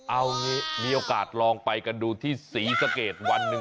เอาอย่างนี้มีโอกาสลองไปกันดูที่สีสะเกดวันนึง